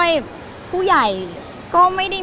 เก็บได้เกือบจะพันไล่แล้ว